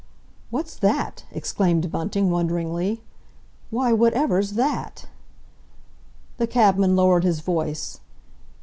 "What's that?" exclaimed Bunting wonderingly. "Why, whatever's that?" The cabman lowered his voice.